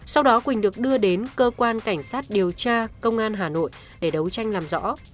sau đó quỳnh được đưa đến cơ quan cảnh sát điều tra công an hà nội để đấu tranh làm rõ